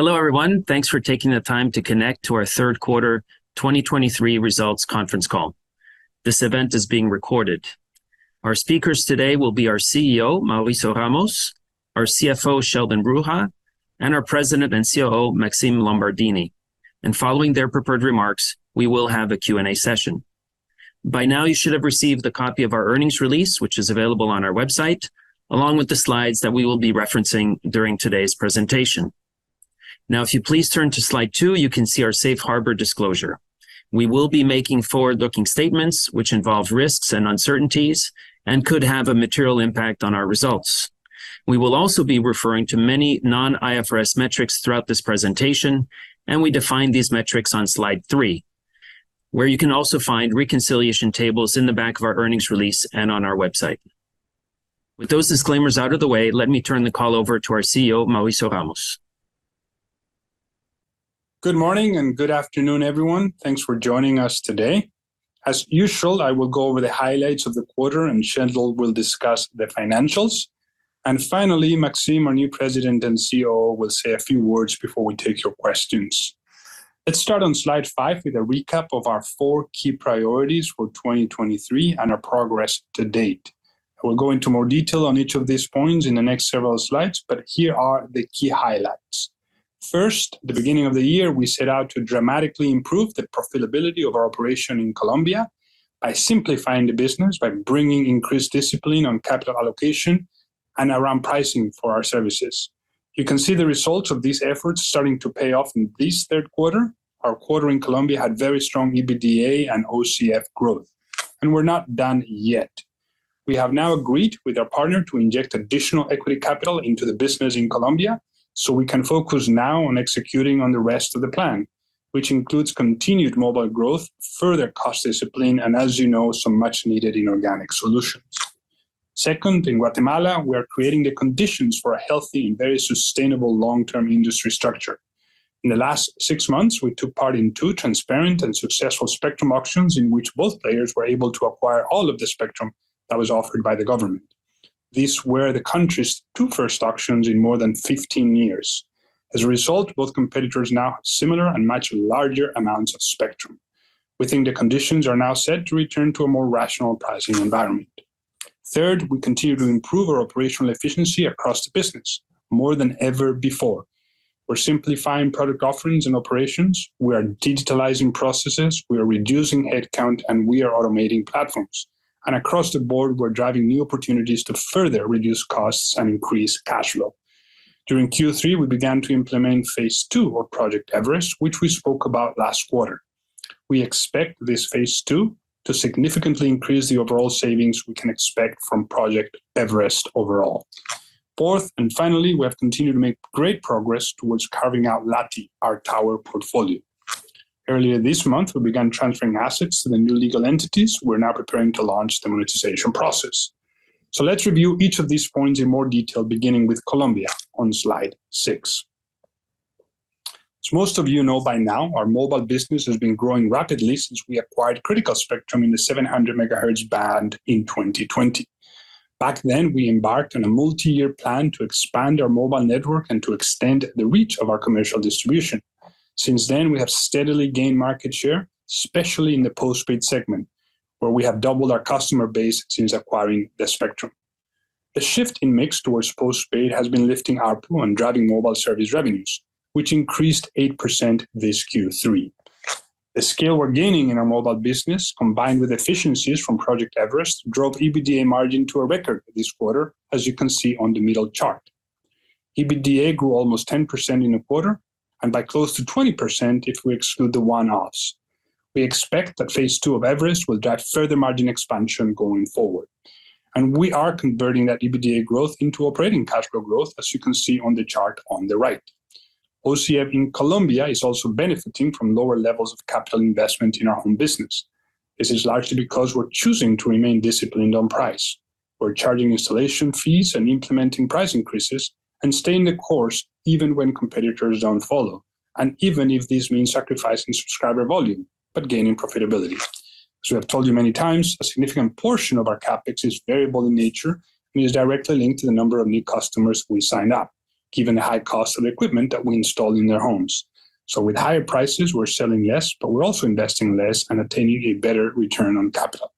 Hello, everyone. Thanks for taking the time to connect to our Third Quarter 2023 Results Conference Call. This event is being recorded. Our speakers today will be our CEO, Mauricio Ramos, our CFO, Sheldon Bruha, and our President and COO, Maxime Lombardini. Following their prepared remarks, we will have a Q&A session. By now, you should have received a copy of our earnings release, which is available on our website, along with the slides that we will be referencing during today's presentation. Now, if you please turn to slide 2, you can see our safe harbor disclosure. We will be making forward-looking statements which involve risks and uncertainties and could have a material impact on our results. We will also be referring to many non-IFRS metrics throughout this presentation, and we define these metrics on slide three, where you can also find reconciliation tables in the back of our earnings release and on our website. With those disclaimers out of the way, let me turn the call over to our CEO, Mauricio Ramos. Good morning, and good afternoon, everyone. Thanks for joining us today. As usual, I will go over the highlights of the quarter, and Sheldon will discuss the financials. Finally, Maxime, our new President and COO, will say a few words before we take your questions. Let's start on slide 5 with a recap of our 4 key priorities for 2023 and our progress to date. I will go into more detail on each of these points in the next several slides, but here are the key highlights. First, the beginning of the year, we set out to dramatically improve the profitability of our operation in Colombia by simplifying the business, by bringing increased discipline on capital allocation and around pricing for our services. You can see the results of these efforts starting to pay off in this third quarter. Our quarter in Colombia had very strong EBITDA and OCF growth, and we're not done yet. We have now agreed with our partner to inject additional equity capital into the business in Colombia, so we can focus now on executing on the rest of the plan, which includes continued mobile growth, further cost discipline, and as you know, some much needed inorganic solutions. Second, in Guatemala, we are creating the conditions for a healthy and very sustainable long-term industry structure. In the last 6 months, we took part in 2 transparent and successful spectrum auctions, in which both players were able to acquire all of the spectrum that was offered by the government. These were the country's two first auctions in more than 15 years. As a result, both competitors now have similar and much larger amounts of spectrum. We think the conditions are now set to return to a more rational pricing environment. Third, we continue to improve our operational efficiency across the business more than ever before. We're simplifying product offerings and operations. We are digitalizing processes. We are reducing headcount, and we are automating platforms. And across the board, we're driving new opportunities to further reduce costs and increase cash flow. During Q3, we began to implement Phase 2 of Project Everest, which we spoke about last quarter. We expect this Phase 2 to significantly increase the overall savings we can expect from Project Everest overall. Fourth, and finally, we have continued to make great progress towards carving out LATI, our tower portfolio. Earlier this month, we began transferring assets to the new legal entities. We're now preparing to launch the monetization process. So let's review each of these points in more detail, beginning with Colombia on slide 6. As most of you know by now, our mobile business has been growing rapidly since we acquired critical spectrum in the 700 MHz band in 2020. Back then, we embarked on a multi-year plan to expand our mobile network and to extend the reach of our commercial distribution. Since then, we have steadily gained market share, especially in the postpaid segment, where we have doubled our customer base since acquiring the spectrum. The shift in mix towards postpaid has been lifting ARPU and driving mobile service revenues, which increased 8% this Q3. The scale we're gaining in our mobile business, combined with efficiencies from Project Everest, drove EBITDA margin to a record this quarter, as you can see on the middle chart. EBITDA grew almost 10% in a quarter and by close to 20% if we exclude the one-offs. We expect that Phase 2 of Everest will drive further margin expansion going forward, and we are converting that EBITDA growth into operating cash flow growth, as you can see on the chart on the right. OCF in Colombia is also benefiting from lower levels of capital investment in our home business. This is largely because we're choosing to remain disciplined on price. We're charging installation fees and implementing price increases and staying the course, even when competitors don't follow, and even if this means sacrificing subscriber volume but gaining profitability. As we have told you many times, a significant portion of our CapEx is variable in nature and is directly linked to the number of new customers we sign up, given the high cost of equipment that we install in their homes. So with higher prices, we're selling less, but we're also investing less and attaining a better return on capital.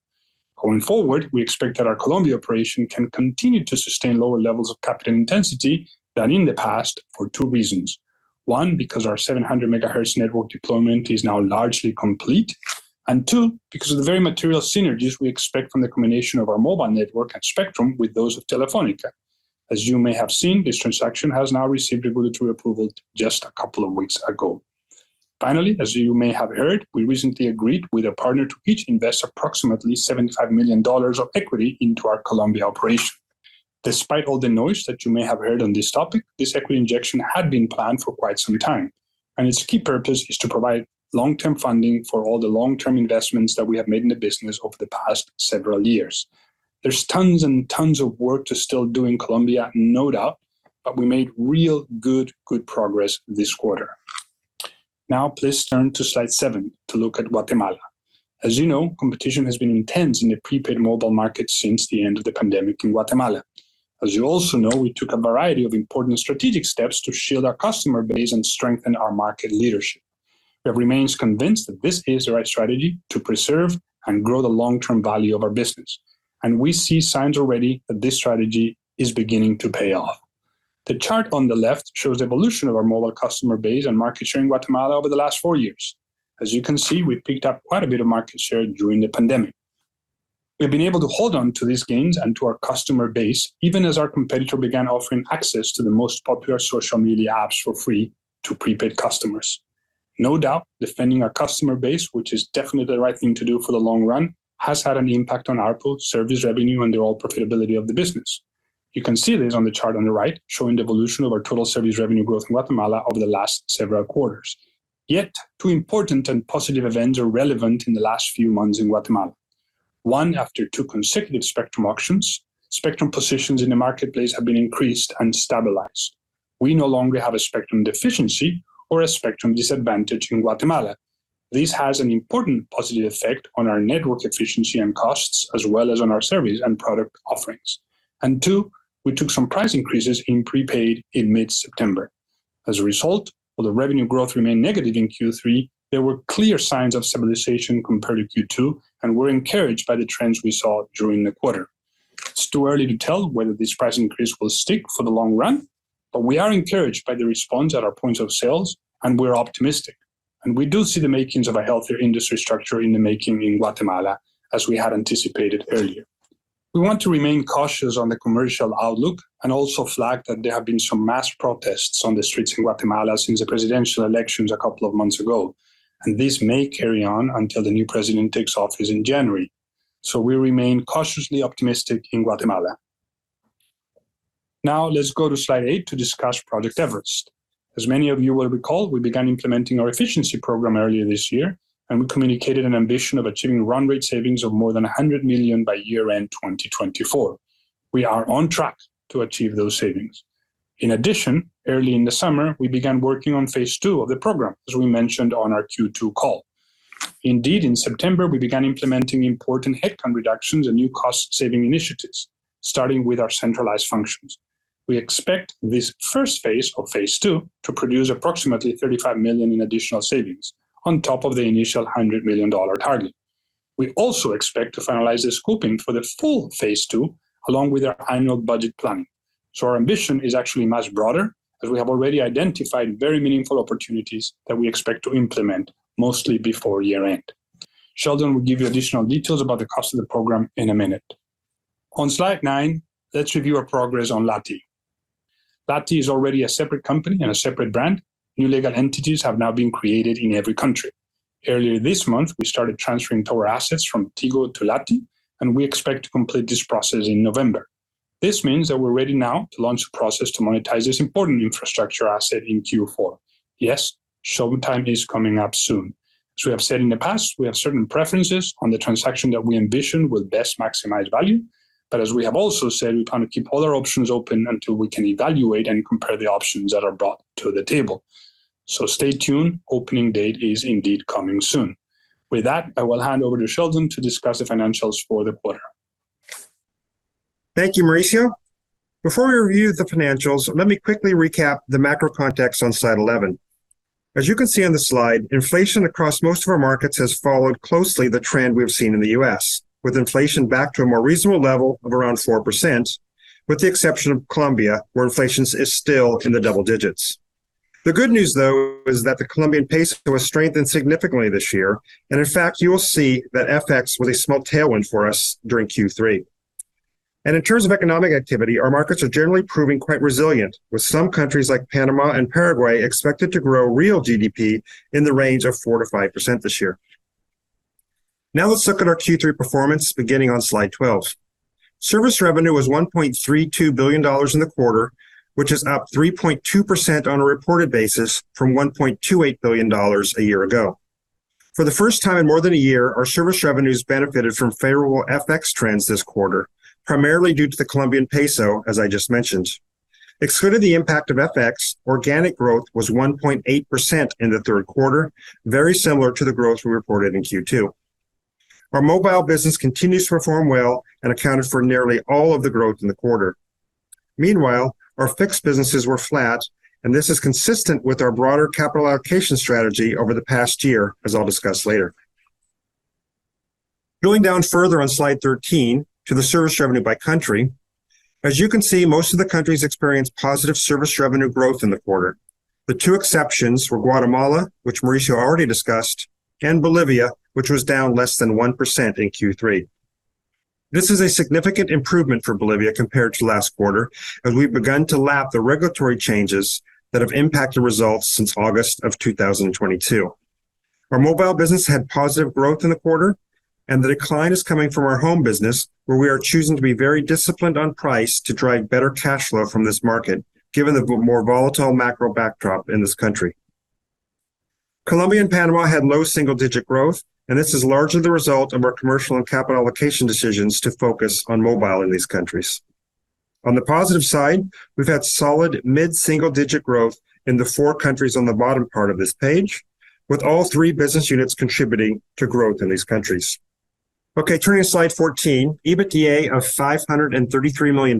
Going forward, we expect that our Colombia operation can continue to sustain lower levels of capital intensity than in the past for two reasons. One, because our 700 MHz network deployment is now largely complete, and two, because of the very material synergies we expect from the combination of our mobile network and spectrum with those of Telefónica. As you may have seen, this transaction has now received regulatory approval just a couple of weeks ago. Finally, as you may have heard, we recently agreed with a partner to each invest approximately $75 million of equity into our Colombia operation. Despite all the noise that you may have heard on this topic, this equity injection had been planned for quite some time, and its key purpose is to provide long-term funding for all the long-term investments that we have made in the business over the past several years. There's tons and tons of work to still do in Colombia, no doubt, but we made real good, good progress this quarter. Now please turn to slide 7 to look at Guatemala. As you know, competition has been intense in the prepaid mobile market since the end of the pandemic in Guatemala. As you also know, we took a variety of important strategic steps to shield our customer base and strengthen our market leadership. It remains convinced that this is the right strategy to preserve and grow the long-term value of our business, and we see signs already that this strategy is beginning to pay off. The chart on the left shows the evolution of our mobile customer base and market share in Guatemala over the last four years. As you can see, we've picked up quite a bit of market share during the pandemic. We've been able to hold on to these gains and to our customer base, even as our competitor began offering access to the most popular social media apps for free to prepaid customers. No doubt, defending our customer base, which is definitely the right thing to do for the long run, has had an impact on ARPU, service revenue, and the overall profitability of the business. You can see this on the chart on the right, showing the evolution of our total service revenue growth in Guatemala over the last several quarters. Yet, two important and positive events are relevant in the last few months in Guatemala. One, after two consecutive spectrum auctions, spectrum positions in the marketplace have been increased and stabilized. We no longer have a spectrum deficiency or a spectrum disadvantage in Guatemala. This has an important positive effect on our network efficiency and costs, as well as on our service and product offerings. And two, we took some price increases in prepaid in mid-September. As a result, while the revenue growth remained negative in Q3, there were clear signs of stabilization compared to Q2, and we're encouraged by the trends we saw during the quarter. It's too early to tell whether this price increase will stick for the long run, but we are encouraged by the response at our points of sales, and we're optimistic. We do see the makings of a healthier industry structure in the making in Guatemala, as we had anticipated earlier. We want to remain cautious on the commercial outlook and also flag that there have been some mass protests on the streets in Guatemala since the presidential elections a couple of months ago, and this may carry on until the new president takes office in January. We remain cautiously optimistic in Guatemala. Now, let's go to slide 8 to discuss Project Everest. As many of you will recall, we began implementing our efficiency program earlier this year, and we communicated an ambition of achieving run rate savings of more than $100 million by year-end 2024. We are on track to achieve those savings. In addition, early in the summer, we began working on Phase 2 of the program, as we mentioned on our Q2 call. Indeed, in September, we began implementing important headcount reductions and new cost-saving initiatives, starting with our centralized functions. We expect this first phase of Phase 2 to produce approximately $35 million in additional savings on top of the initial $100 million target. We also expect to finalize the scoping for the full Phase 2, along with our annual budget planning. So our ambition is actually much broader, as we have already identified very meaningful opportunities that we expect to implement, mostly before year-end. Sheldon will give you additional details about the cost of the program in a minute. On slide nine, let's review our progress on LATI. LATI is already a separate company and a separate brand. New legal entities have now been created in every country. Earlier this month, we started transferring tower assets from Tigo to LATI, and we expect to complete this process in November. This means that we're ready now to launch a process to monetize this important infrastructure asset in Q4. Yes, showtime is coming up soon. As we have said in the past, we have certain preferences on the transaction that we envision will best maximize value. But as we have also said, we plan to keep all our options open until we can evaluate and compare the options that are brought to the table. So stay tuned. Opening date is indeed coming soon. With that, I will hand over to Sheldon to discuss the financials for the quarter. Thank you, Mauricio. Before we review the financials, let me quickly recap the macro context on slide 11. As you can see on the slide, inflation across most of our markets has followed closely the trend we have seen in the U.S., with inflation back to a more reasonable level of around 4%, with the exception of Colombia, where inflation is still in the double digits. The good news, though, is that the Colombian peso was strengthened significantly this year, and in fact, you will see that FX was a small tailwind for us during Q3. In terms of economic activity, our markets are generally proving quite resilient, with some countries like Panama and Paraguay expected to grow real GDP in the range of 4%-5% this year. Now let's look at our Q3 performance, beginning on slide 12. Service revenue was $1.32 billion in the quarter, which is up 3.2% on a reported basis from $1.28 billion a year ago. For the first time in more than a year, our service revenues benefited from favorable FX trends this quarter, primarily due to the Colombian peso, as I just mentioned. Excluding the impact of FX, organic growth was 1.8% in the third quarter, very similar to the growth we reported in Q2. Our mobile business continues to perform well and accounted for nearly all of the growth in the quarter. Meanwhile, our fixed businesses were flat, and this is consistent with our broader capital allocation strategy over the past year, as I'll discuss later. Going down further on slide 13 to the service revenue by country. As you can see, most of the countries experienced positive service revenue growth in the quarter. The two exceptions were Guatemala, which Mauricio already discussed, and Bolivia, which was down less than 1% in Q3. This is a significant improvement for Bolivia compared to last quarter, as we've begun to lap the regulatory changes that have impacted results since August 2022. Our mobile business had positive growth in the quarter, and the decline is coming from our home business, where we are choosing to be very disciplined on price to drive better cash flow from this market, given the more volatile macro backdrop in this country. Colombia and Panama had low single-digit growth, and this is largely the result of our commercial and capital allocation decisions to focus on mobile in these countries. On the positive side, we've had solid mid-single-digit growth in the four countries on the bottom part of this page, with all three business units contributing to growth in these countries. Okay, turning to slide 14, EBITDA of $533 million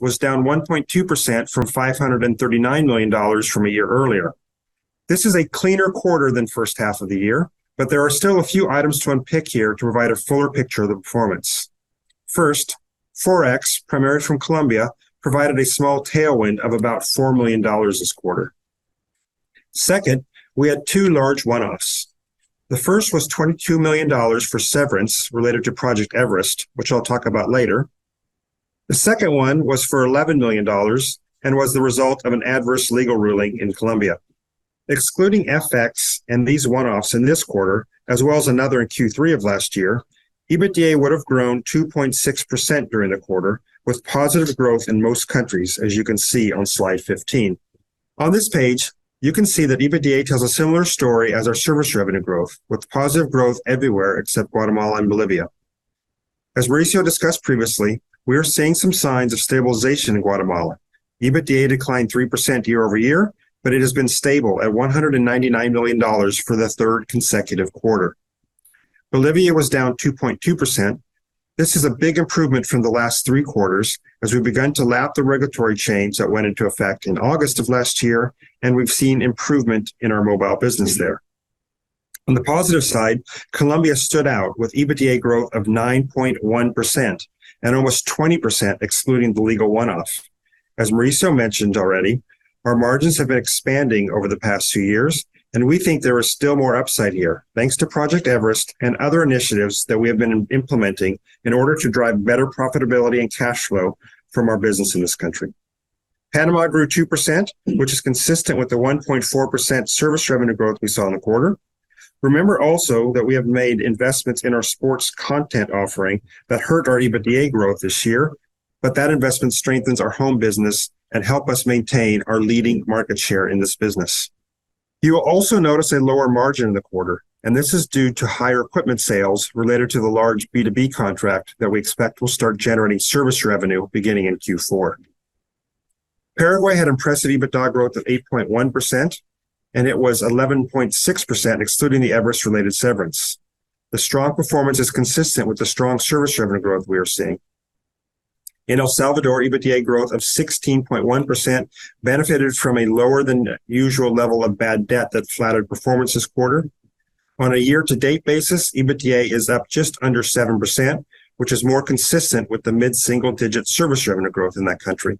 was down 1.2% from $539 million from a year earlier. This is a cleaner quarter than first half of the year, but there are still a few items to unpick here to provide a fuller picture of the performance. First, FX, primarily from Colombia, provided a small tailwind of about $4 million this quarter. Second, we had two large one-offs. The first was $22 million for severance related to Project Everest, which I'll talk about later. The second one was for $11 million and was the result of an adverse legal ruling in Colombia. Excluding FX and these one-offs in this quarter, as well as another in Q3 of last year, EBITDA would have grown 2.6% during the quarter, with positive growth in most countries, as you can see on slide 15. On this page, you can see that EBITDA tells a similar story as our service revenue growth, with positive growth everywhere except Guatemala and Bolivia. As Mauricio discussed previously, we are seeing some signs of stabilization in Guatemala. EBITDA declined 3% year-over-year, but it has been stable at $199 million for the third consecutive quarter. Bolivia was down 2.2%. This is a big improvement from the last three quarters as we've begun to lap the regulatory changes that went into effect in August of last year, and we've seen improvement in our mobile business there. On the positive side, Colombia stood out with EBITDA growth of 9.1% and almost 20% excluding the legal one-off. As Mauricio mentioned already, our margins have been expanding over the past two years, and we think there is still more upside here, thanks to Project Everest and other initiatives that we have been implementing in order to drive better profitability and cash flow from our business in this country. Panama grew 2%, which is consistent with the 1.4% service revenue growth we saw in the quarter. Remember also that we have made investments in our sports content offering that hurt our EBITDA growth this year, but that investment strengthens our home business and helps us maintain our leading market share in this business. You will also notice a lower margin in the quarter, and this is due to higher equipment sales related to the large B2B contract that we expect will start generating service revenue beginning in Q4. Paraguay had impressive EBITDA growth of 8.1%, and it was 11.6%, excluding the Everest-related severance. The strong performance is consistent with the strong service revenue growth we are seeing. In El Salvador, EBITDA growth of 16.1% benefited from a lower-than-usual level of bad debt that flattered performance this quarter. On a year-to-date basis, EBITDA is up just under 7%, which is more consistent with the mid-single-digit service revenue growth in that country.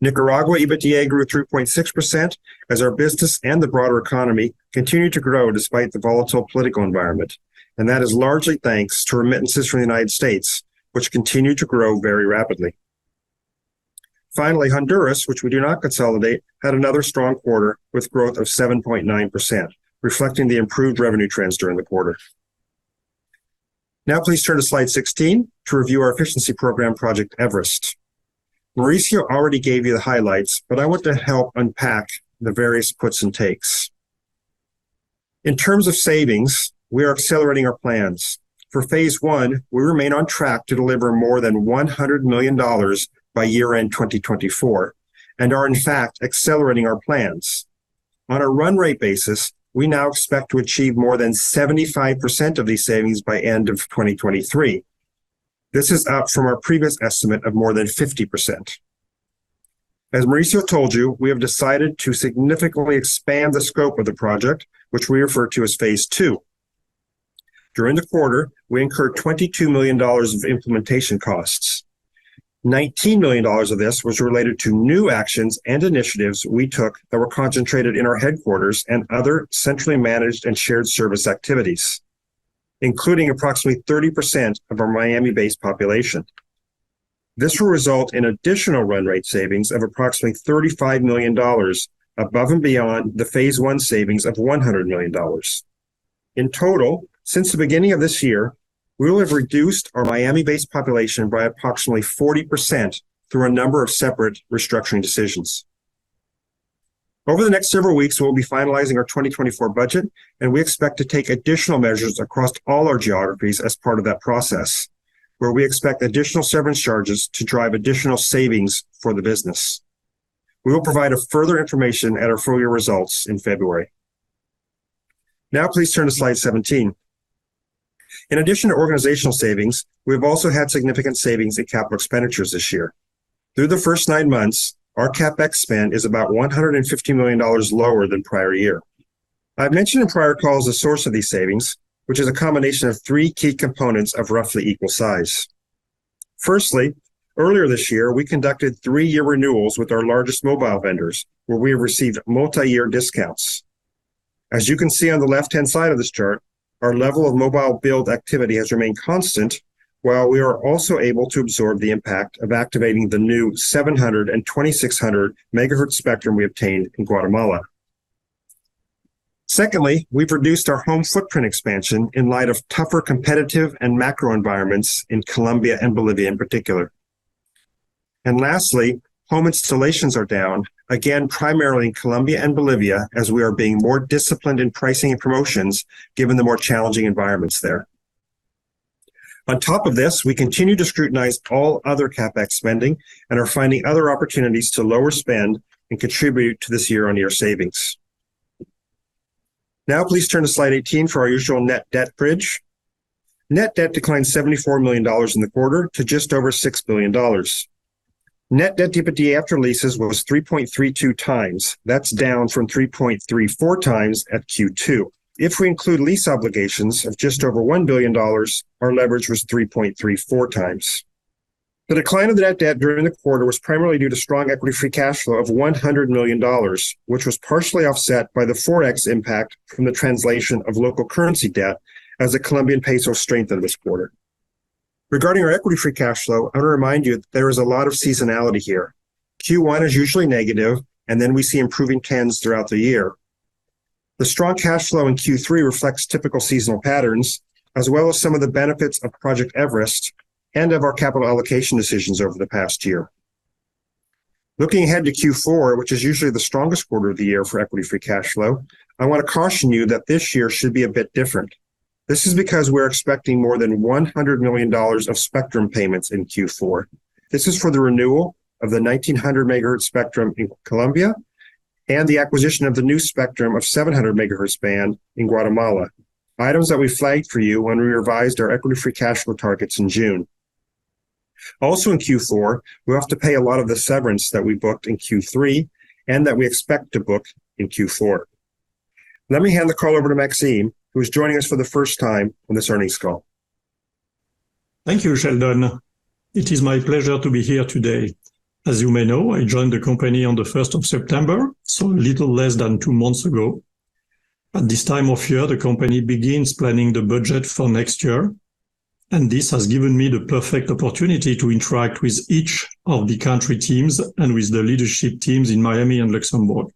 Nicaragua EBITDA grew 3.6% as our business and the broader economy continued to grow despite the volatile political environment, and that is largely thanks to remittances from the United States, which continue to grow very rapidly. Finally, Honduras, which we do not consolidate, had another strong quarter with growth of 7.9%, reflecting the improved revenue trends during the quarter. Now please turn to slide 16 to review our efficiency program, Project Everest. Mauricio already gave you the highlights, but I want to help unpack the various puts and takes. In terms of savings, we are accelerating our plans. For Phase 1, we remain on track to deliver more than $100 million by year-end 2024 and are in fact accelerating our plans. On a run rate basis, we now expect to achieve more than 75% of these savings by end of 2023. This is up from our previous estimate of more than 50%. As Mauricio told you, we have decided to significantly expand the scope of the project, which we refer to as Phase 2. During the quarter, we incurred $22 million of implementation costs. $19 million of this was related to new actions and initiatives we took that were concentrated in our headquarters and other centrally managed and shared service activities, including approximately 30% of our Miami-based population. This will result in additional run rate savings of approximately $35 million above and beyond the Phase 1 savings of $100 million. In total, since the beginning of this year, we will have reduced our Miami-based population by approximately 40% through a number of separate restructuring decisions. Over the next several weeks, we'll be finalizing our 2024 budget, and we expect to take additional measures across all our geographies as part of that process, where we expect additional severance charges to drive additional savings for the business. We will provide a further information at our full-year results in February. Now please turn to slide 17. In addition to organizational savings, we've also had significant savings in capital expenditures this year. Through the first nine months, our CapEx spend is about $150 million lower than prior year. I've mentioned in prior calls the source of these savings, which is a combination of three key components of roughly equal size. Firstly, earlier this year, we conducted 3-year renewals with our largest mobile vendors, where we received multiyear discounts. As you can see on the left-hand side of this chart, our level of mobile build activity has remained constant, while we are also able to absorb the impact of activating the new 700 MHz and 2600 MHz spectrum we obtained in Guatemala. Secondly, we've reduced our home footprint expansion in light of tougher competitive and macro environments in Colombia and Bolivia in particular. Lastly, home installations are down, again, primarily in Colombia and Bolivia, as we are being more disciplined in pricing and promotions, given the more challenging environments there. On top of this, we continue to scrutinize all other CapEx spending and are finding other opportunities to lower spend and contribute to this year-on-year savings. Now, please turn to slide 18 for our usual net debt bridge. Net debt declined $74 million in the quarter to just over $6 billion. Net debt to EBITDA after leases was 3.32x. That's down from 3.34x at Q2. If we include lease obligations of just over $1 billion, our leverage was 3.34x. The decline of the net debt during the quarter was primarily due to strong equity free cash flow of $100 million, which was partially offset by the FX impact from the translation of local currency debt as the Colombian peso strengthened this quarter. Regarding our equity free cash flow, I want to remind you that there is a lot of seasonality here. Q1 is usually negative, and then we see improving trends throughout the year. The strong cash flow in Q3 reflects typical seasonal patterns, as well as some of the benefits of Project Everest and of our capital allocation decisions over the past year. Looking ahead to Q4, which is usually the strongest quarter of the year for equity free cash flow, I want to caution you that this year should be a bit different. This is because we're expecting more than $100 million of spectrum payments in Q4. This is for the renewal of the 1900 MHz spectrum in Colombia, and the acquisition of the new spectrum of 700 MHz band in Guatemala. Items that we flagged for you when we revised our equity free cash flow targets in June. Also in Q4, we have to pay a lot of the severance that we booked in Q3 and that we expect to book in Q4. Let me hand the call over to Maxime, who is joining us for the first time on this earnings call. Thank you, Sheldon. It is my pleasure to be here today. As you may know, I joined the company on the first of September, so a little less than two months ago. At this time of year, the company begins planning the budget for next year, and this has given me the perfect opportunity to interact with each of the country teams and with the leadership teams in Miami and Luxembourg.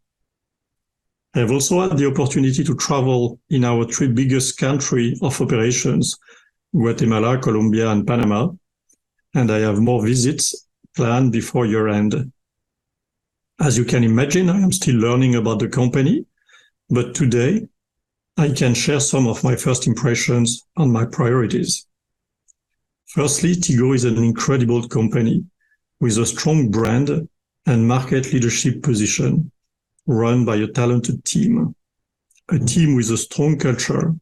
I have also had the opportunity to travel in our three biggest country of operations, Guatemala, Colombia and Panama, and I have more visits planned before year-end. As you can imagine, I am still learning about the company, but today I can share some of my first impressions on my priorities. Firstly, Tigo is an incredible company with a strong brand and market leadership position, run by a talented team, a team with a strong culture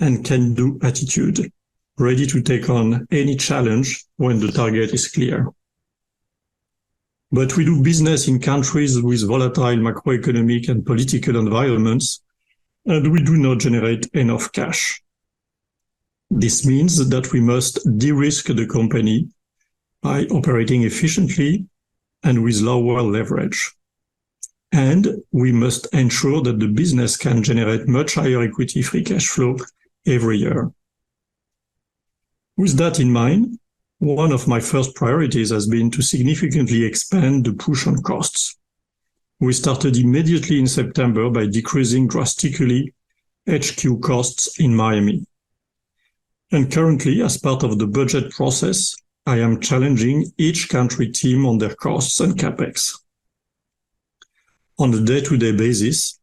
and can-do attitude, ready to take on any challenge when the target is clear. But we do business in countries with volatile macroeconomic and political environments, and we do not generate enough cash. This means that we must de-risk the company by operating efficiently and with lower leverage, and we must ensure that the business can generate much higher equity free cash flow every year. With that in mind, one of my first priorities has been to significantly expand the push on costs. We started immediately in September by decreasing drastically HQ costs in Miami. Currently, as part of the budget process, I am challenging each country team on their costs and CapEx. On a day-to-day basis,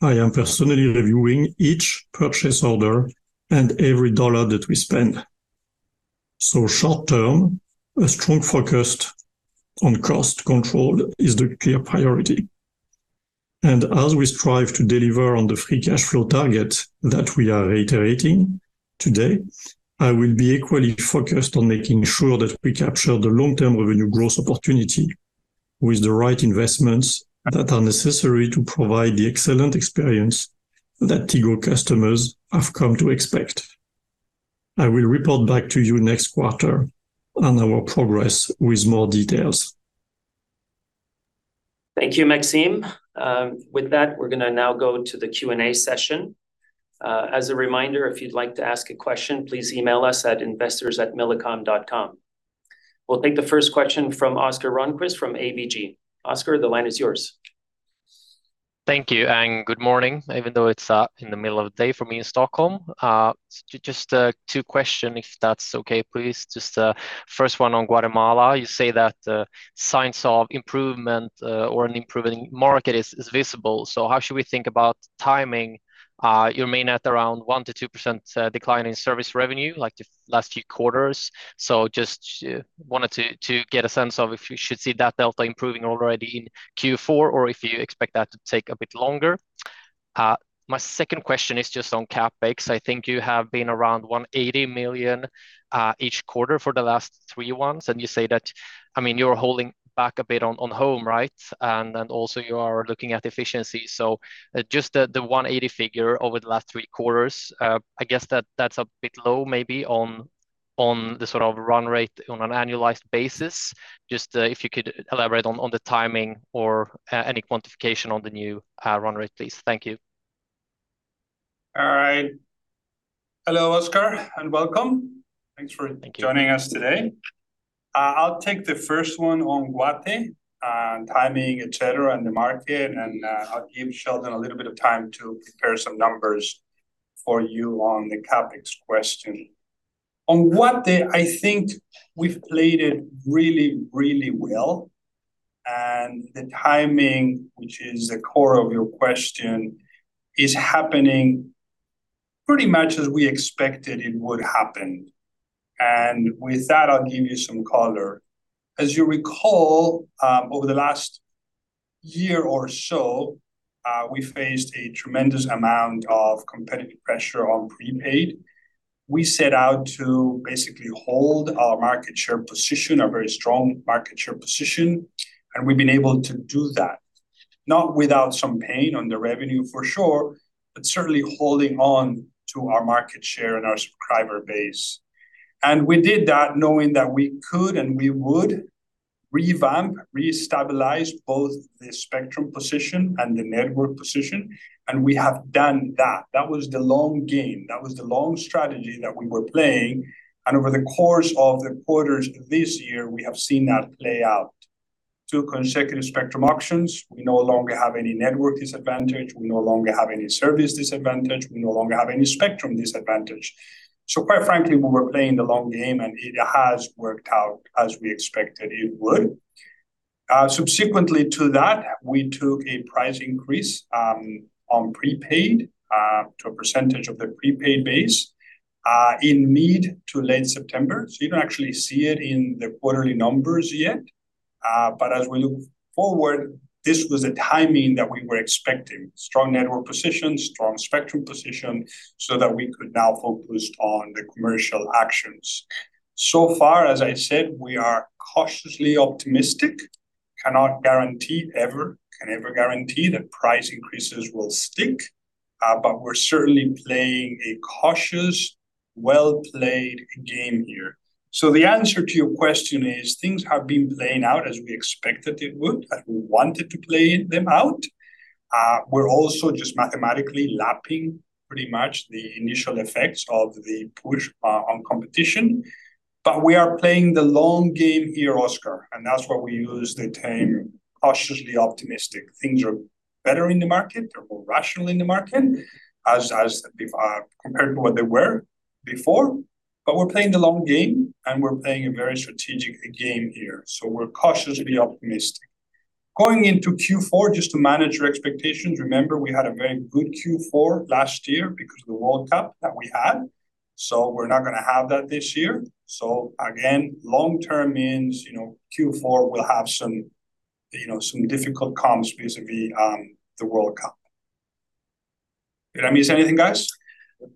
I am personally reviewing each purchase order and every dollar that we spend. Short term, a strong focus on cost control is the clear priority. And as we strive to deliver on the free cash flow target that we are reiterating today, I will be equally focused on making sure that we capture the long-term revenue growth opportunity with the right investments that are necessary to provide the excellent experience that Tigo customers have come to expect. I will report back to you next quarter on our progress with more details. Thank you, Maxime. With that, we're going to now go to the Q&A session. As a reminder, if you'd like to ask a question, please email us at investors@millicom.com. We'll take the first question from Oscar Rönnkvist from ABG. Oscar, the line is yours. Thank you, and good morning. Even though it's in the middle of the day for me in Stockholm. Just two questions, if that's okay, please. Just first one on Guatemala. You say that signs of improvement or an improving market is visible. So how should we think about timing? You mean at around 1%-2% decline in service revenue, like the last few quarters. So just wanted to get a sense of if you should see that delta improving already in Q4 or if you expect that to take a bit longer. My second question is just on CapEx. I think you have been around $180 million each quarter for the last three ones, and you say that, I mean, you're holding back a bit on home, right? Also, you are looking at efficiency. So just the $180 figure over the last 3 quarters, I guess that's a bit low, maybe on the sort of run rate on an annualized basis. Just, if you could elaborate on the timing or any quantification on the new run rate, please. Thank you. All right. Hello, Oscar, and welcome. Thanks for joining us today. I'll take the first one on Guate and timing, etc., and the market, and I'll give Sheldon a little bit of time to prepare some numbers for you on the CapEx question. On Guate, I think we've played it really, really well. The timing, which is the core of your question, is happening pretty much as we expected it would happen. And with that, I'll give you some color. As you recall, over the last year or so, we faced a tremendous amount of competitive pressure on prepaid. We set out to basically hold our market share position, our very strong market share position, and we've been able to do that. Not without some pain on the revenue, for sure, but certainly holding on to our market share and our subscriber base. And we did that knowing that we could and we would revamp, re-stabilize both the spectrum position and the network position, and we have done that. That was the long game, that was the long strategy that we were playing, and over the course of the quarters this year, we have seen that play out. Two consecutive spectrum auctions, we no longer have any network disadvantage, we no longer have any service disadvantage, we no longer have any spectrum disadvantage. So quite frankly, we were playing the long game, and it has worked out as we expected it would. Subsequently to that, we took a price increase, on prepaid, to a percentage of the prepaid base, in mid to late September. So you don't actually see it in the quarterly numbers yet. But as we look forward, this was the timing that we were expecting: strong network position, strong spectrum position, so that we could now focus on the commercial actions. So far, as I said, we are cautiously optimistic. Cannot guarantee ever, can never guarantee that price increases will stick, but we're certainly playing a cautious, well-played game here. So the answer to your question is, things have been playing out as we expected it would, and we wanted to play them out. We're also just mathematically lapping pretty much the initial effects of the push on competition, but we are playing the long game here, Oscar, and that's why we use the term cautiously optimistic. Things are better in the market, they're more rational in the market, as compared to what they were before. But we're playing the long game, and we're playing a very strategic game here, so we're cautiously optimistic. Going into Q4, just to manage your expectations, remember we had a very good Q4 last year because of the World Cup that we had, so we're not gonna have that this year. So again, long term means, you know, Q4 will have some, you know, some difficult comps vis-à-vis the World Cup. Did I miss anything, guys?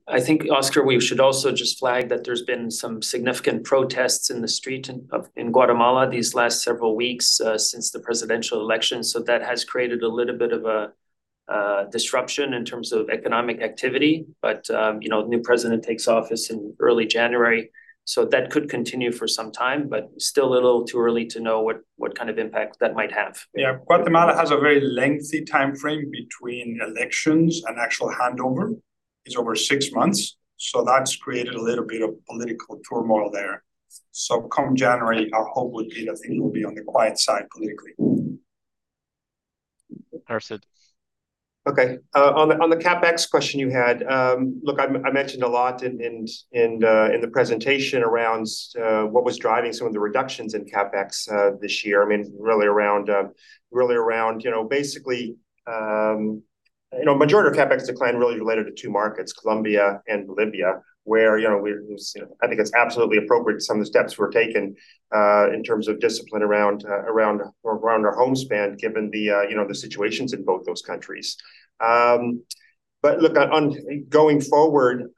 I think, Oscar, we should also just flag that there's been some significant protests in the street in Guatemala these last several weeks, since the presidential election, so that has created a little bit of a disruption in terms of economic activity. But, you know, the new president takes office in early January, so that could continue for some time, but still a little too early to know what kind of impact that might have. Yeah, Guatemala has a very lengthy timeframe between elections, and actual handover is over six months, so that's created a little bit of political turmoil there. So come January, our hope would be that things will be on the quiet side politically. Sheldon? Okay, on the CapEx question you had, look, I mentioned a lot in the presentation around what was driving some of the reductions in CapEx this year. I mean, really around, you know, basically, you know, majority of CapEx decline really related to two markets, Colombia and Bolivia, where, you know, we, you know, I think it's absolutely appropriate some of the steps were taken in terms of discipline around our CapEx spend, given, you know, the situations in both those countries. But look, on going forward,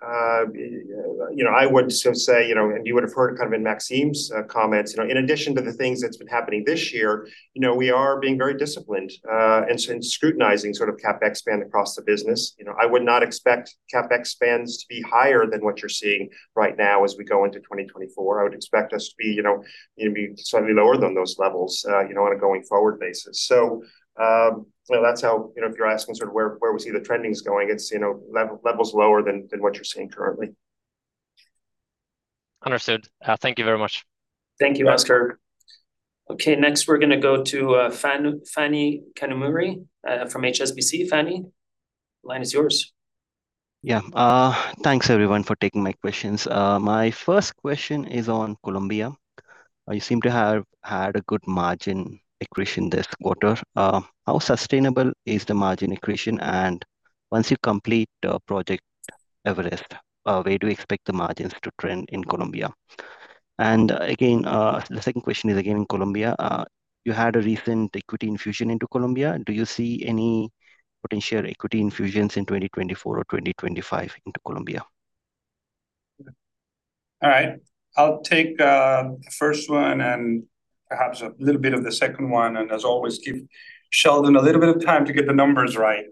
you know, I would just say, you know, and you would have heard it kind of in Maxime's comments, you know, in addition to the things that's been happening this year, you know, we are being very disciplined, and scrutinizing sort of CapEx spend across the business. You know, I would not expect CapEx spends to be higher than what you're seeing right now as we go into 2024. I would expect us to be, you know, maybe slightly lower than those levels, you know, on a going-forward basis. So, well, that's how, you know, if you're asking sort of where we see the trending is going, it's, you know, levels lower than what you're seeing currently. Understood. Thank you very much. Thank you, Oscar. Okay, next we're gonna go to Phani, Phani Kanumuri from HSBC. Phani, the line is yours. Yeah, thanks everyone for taking my questions. My first question is on Colombia. You seem to have had a good margin accretion this quarter. How sustainable is the margin accretion? And once you complete the Project Everest, where do you expect the margins to trend in Colombia? And again, the second question is again, in Colombia. You had a recent equity infusion into Colombia. Do you see any potential equity infusions in 2024 or 2025 into Colombia? All right, I'll take the first one and perhaps a little bit of the second one, and as always, give Sheldon a little bit of time to get the numbers right.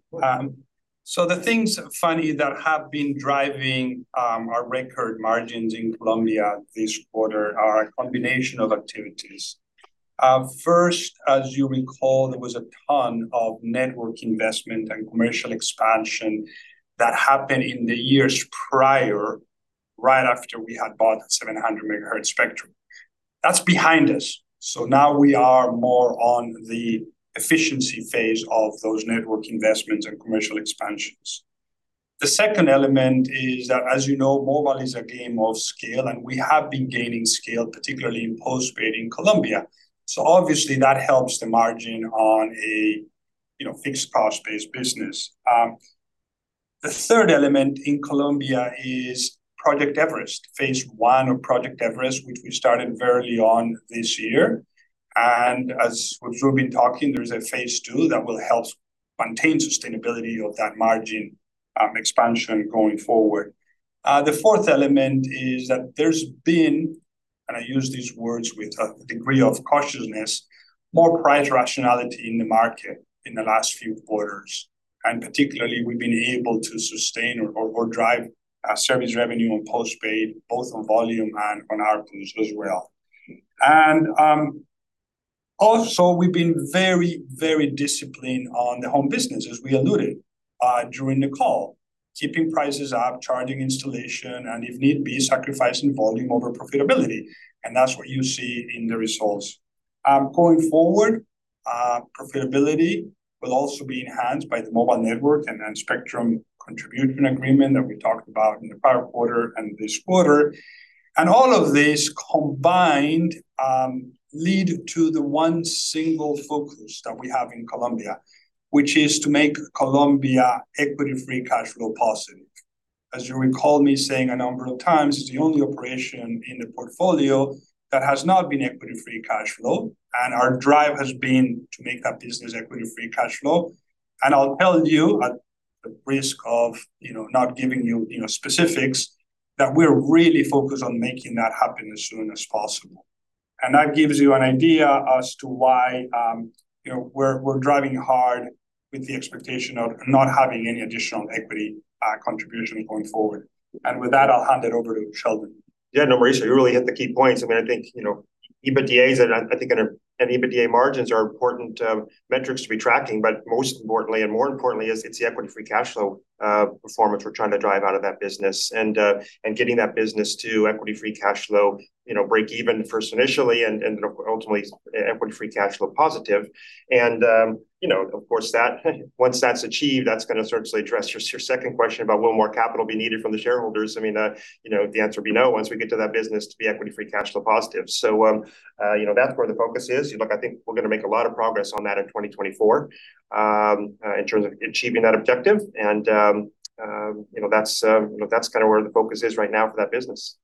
So the things, Phani, that have been driving our record margins in Colombia this quarter are a combination of activities. First, as you recall, there was a ton of network investment and commercial expansion that happened in the years prior, right after we had bought the 700 MHz spectrum. That's behind us, so now we are more on the efficiency phase of those network investments and commercial expansions. The second element is that, as you know, mobile is a game of scale, and we have been gaining scale, particularly in postpaid in Colombia. So obviously that helps the margin on a, you know, fixed cost-based business. The third element in Colombia is Project Everest, Phase 1 of Project Everest, which we started very early on this year. As we've been talking, there is a Phase 2 that will help maintain sustainability of that margin expansion going forward. The fourth element is that there's been, and I use these words with a degree of cautiousness, more price rationality in the market in the last few quarters, and particularly, we've been able to sustain or drive service revenue on postpaid, both on volume and on ARPU as well. Also, we've been very, very disciplined on the home business, as we alluded during the call, keeping prices up, charging installation, and if need be, sacrificing volume over profitability, and that's what you see in the results. Going forward, profitability will also be enhanced by the mobile network and spectrum contribution agreement that we talked about in the prior quarter and this quarter. And all of these combined lead to the one single focus that we have in Colombia, which is to make colombia equity free cash flow positive. As you recall me saying a number of times, it's the only operation in the portfolio that has not been equity free cash flow, and our drive has been to make that business equity free cash flow. And I'll tell you, at the risk of, you know, not giving you, you know, specifics, that we're really focused on making that happen as soon as possible. And that gives you an idea as to why, you know, we're, we're driving hard with the expectation of not having any additional equity contribution going forward. With that, I'll hand it over to Sheldon. Yeah, no, Mauricio, you really hit the key points. I mean, I think, you know, EBITDA is, and EBITDA margins are important metrics to be tracking, but most importantly, and more importantly, it's the equity free cash flow performance we're trying to drive out of that business and getting that business to equity free cash flow, you know, break even first initially, and ultimately equity free cash flow positive. And, you know, of course, once that's achieved, that's gonna certainly address your second question about will more capital be needed from the shareholders. I mean, you know, the answer would be no once we get that business to be equity free cash flow positive. So, you know, that's where the focus is. Look, I think we're gonna make a lot of progress on that in 2024, in terms of achieving that objective. You know, that's, you know, that's kind of where the focus is right now for that business.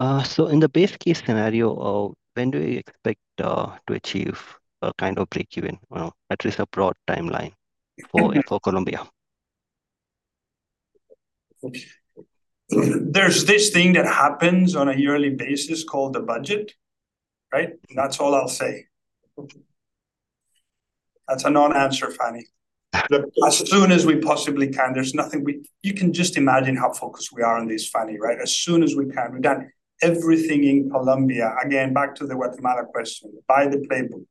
In the best-case scenario, when do you expect to achieve a kind of break-even, or at least a broad timeline for, for Colombia? There's this thing that happens on a yearly basis called the budget, right? That's all I'll say. That's a non-answer, Phani. Look, as soon as we possibly can. There's nothing we. You can just imagine how focused we are on this, Phani, right? As soon as we can. We've done everything in Colombia, again, back to the Guatemala question, by the playbook.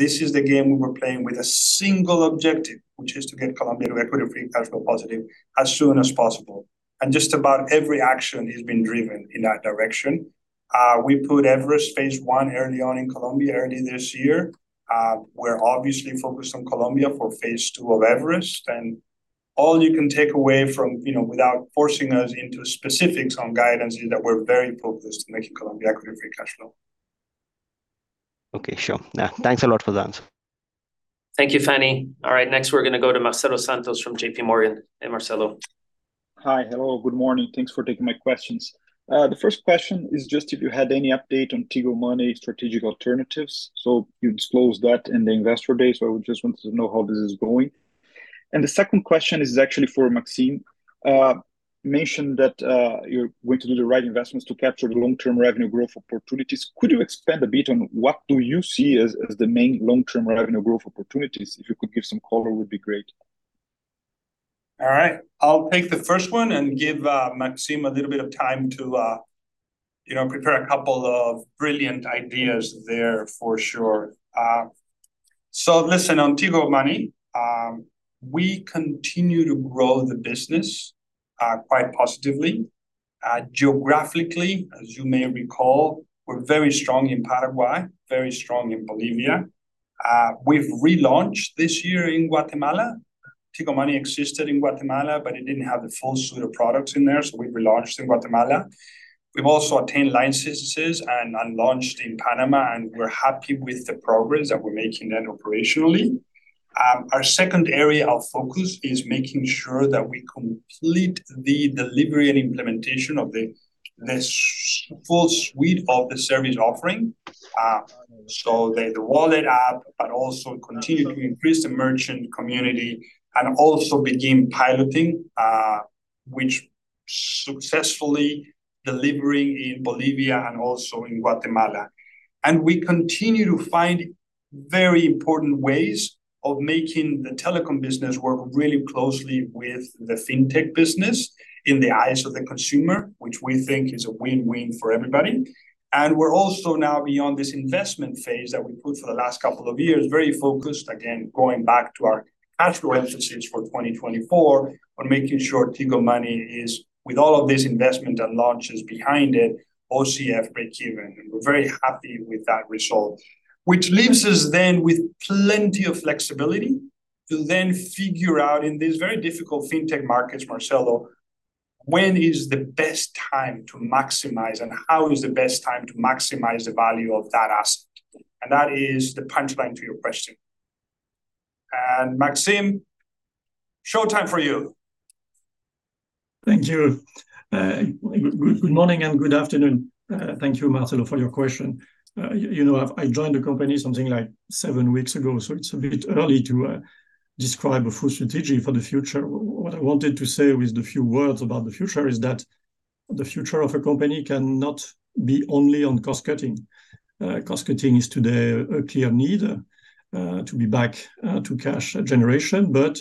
This is the game we were playing with a single objective, which is to get Colombia to equity free cash flow positive as soon as possible, and just about every action has been driven in that direction. We put Everest Phase 1 early on in Colombia, early this year. We're obviously focused on Colombia for Phase 2 of Everest, and all you can take away from, you know, without forcing us into specifics on guidance, is that we're very focused on making Colombia equity free cash flow. Okay, sure. Yeah, thanks a lot for the answer. Thank you, Phani. All right, next we're gonna go to Marcelo Santos from JPMorgan. Hey, Marcelo. Hi. Hello, good morning. Thanks for taking my questions. The first question is just if you had any update on Tigo Money strategic alternatives. You disclosed that in the Investor Day, so I just wanted to know how this is going. The second question is actually for Maxime. You mentioned that you're going to do the right investments to capture the long-term revenue growth opportunities. Could you expand a bit on what do you see as the main long-term revenue growth opportunities? If you could give some color, would be great. All right, I'll take the first one and give Maxime a little bit of time to, you know, prepare a couple of brilliant ideas there for sure. So listen, on Tigo Money, we continue to grow the business quite positively. Geographically, as you may recall, we're very strong in Paraguay, very strong in Bolivia. We've relaunched this year in Guatemala. Tigo Money existed in Guatemala, but it didn't have the full suite of products in there, so we relaunched in Guatemala. We've also obtained licenses and launched in Panama, and we're happy with the progress that we're making then operationally. Our second area of focus is making sure that we complete the delivery and implementation of the full suite of the service offering, so the wallet app, but also continue to increase the merchant community, and also begin piloting, which successfully delivering in Bolivia and also in Guatemala. And we continue to find very important ways of making the telecom business work really closely with the fintech business in the eyes of the consumer, which we think is a win-win for everybody. And we're also now beyond this investment phase that we put for the last couple of years, very focused, again, going back to our cash flow emphasis for 2024 on making sure Tigo Money is, with all of this investment and launches behind it, OCF break even, and we're very happy with that result. Which leaves us then with plenty of flexibility to then figure out in these very difficult fintech markets, Marcelo... When is the best time to maximize, and how is the best time to maximize the value of that asset? And that is the punchline to your question. And Maxime, showtime for you. Thank you. Good morning and good afternoon. Thank you, Marcelo, for your question. You know, I joined the company something like seven weeks ago, so it's a bit early to describe a full strategy for the future. What I wanted to say with the few words about the future is that the future of a company cannot be only on cost-cutting. Cost-cutting is today a clear need to be back to cash generation, but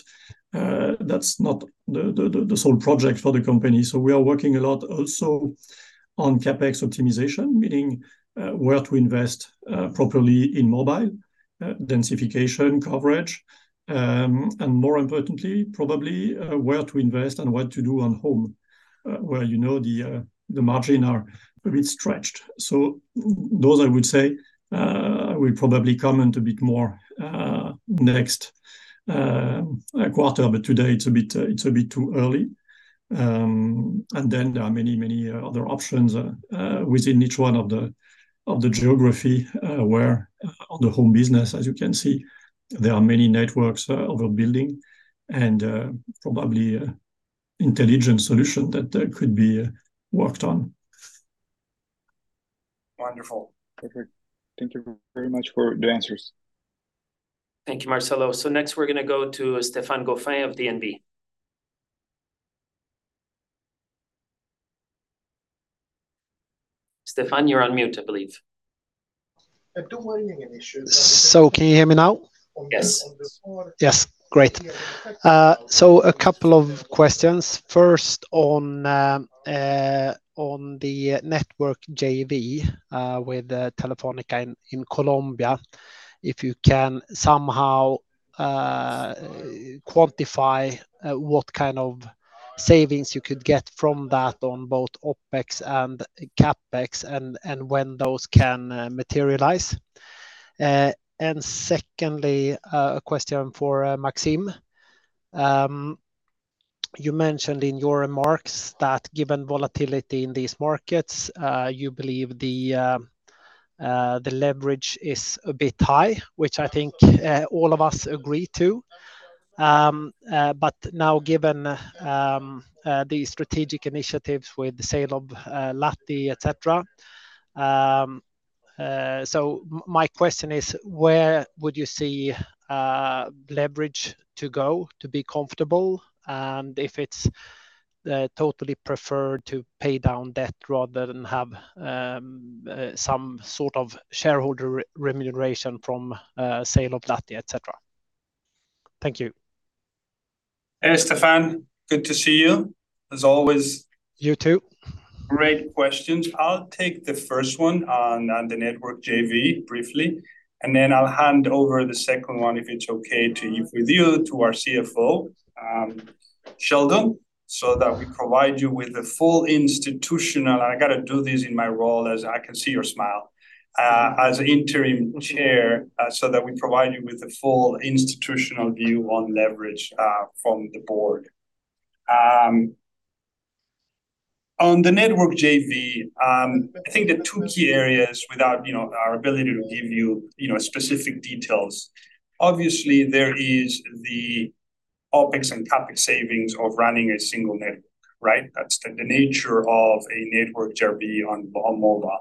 that's not the sole project for the company. So we are working a lot also on CapEx optimization, meaning where to invest properly in mobile densification coverage, and more importantly, probably, where to invest and what to do on home, where you know the margin are a bit stretched. So those I would say will probably come in a bit more next quarter, but today it's a bit too early. And then there are many, many other options within each one of the geography where on the home business, as you can see, there are many networks of a building and probably intelligent solution that could be worked on. Wonderful. Perfect. Thank you very much for the answers. Thank you, Marcelo. Next we're gonna go to Stefan Gauffin of DNB. Stefan, you're on mute, I believe. Don't want any issues. Can you hear me now? Yes. Yes, great. So a couple of questions. First on the network JV with Telefónica in Colombia, if you can somehow quantify what kind of savings you could get from that on both OpEx and CapEx and when those can materialize. And secondly, a question for Maxime. You mentioned in your remarks that given volatility in these markets you believe the leverage is a bit high, which I think all of us agree to. But now, given the strategic initiatives with the sale of LATI, etc., so my question is: where would you see leverage to go to be comfortable? If it's totally preferred to pay down debt rather than have some sort of shareholder remuneration from sale of LATI, etc.? Thank you. Hey, Stefan, good to see you as always. You too. Great questions. I'll take the first one on the network JV briefly, and then I'll hand over the second one, if it's okay to you, with you, to our CFO, Sheldon, so that we provide you with the full institutional, I got to do this in my role, as I can see your smile, as interim chair, so that we provide you with the full institutional view on leverage, from the board. On the network JV, I think the two key areas without, you know, our ability to give you, you know, specific details, obviously, there is the OpEx and CapEx savings of running a single network, right? That's the nature of a network JV on mobile.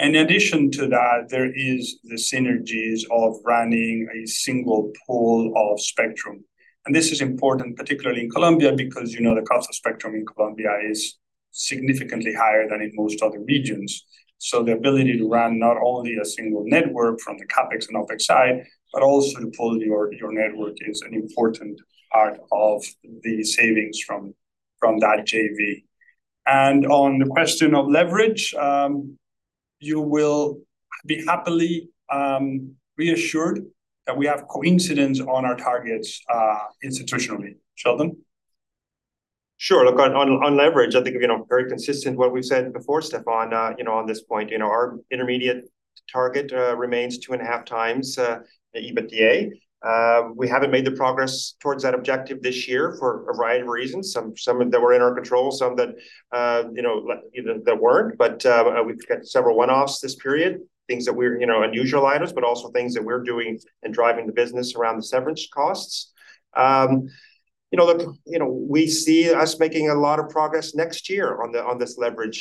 In addition to that, there is the synergies of running a single pool of spectrum. And this is important, particularly in Colombia, because, you know, the cost of spectrum in Colombia is significantly higher than in most other regions. So the ability to run not only a single network from the CapEx and OpEx side, but also to pool your network is an important part of the savings from that JV. And on the question of leverage, you will be happily reassured that we have coincidence on our targets, institutionally. Sheldon? Sure. Look, on leverage, I think, you know, very consistent what we've said before, Stefan, you know, on this point, you know, our intermediate target remains 2.5x EBITDA. We haven't made the progress towards that objective this year for a variety of reasons. Some that were in our control, some that, you know, that weren't. But we've got several one-offs this period, things that we're, you know, unusual items, but also things that we're doing and driving the business around the severance costs. You know, look, you know, we see us making a lot of progress next year on this leverage